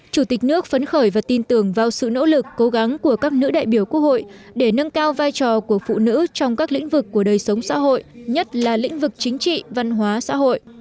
chủ tịch nước phấn khởi và tin tưởng vào sự nỗ lực cố gắng của các nữ đại biểu quốc hội để nâng cao vai trò của phụ nữ trong các lĩnh vực của đời sống xã hội nhất là lĩnh vực chính trị văn hóa xã hội